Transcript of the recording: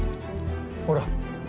ほら。